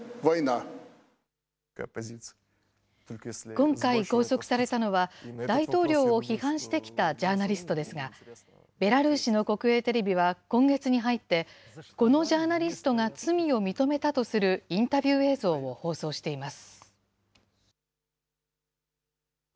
今回拘束されたのは、大統領を批判してきたジャーナリストですが、ベラルーシの国営テレビは、今月に入って、このジャーナリストが罪を認めたとするインタビュー映像を放送しています。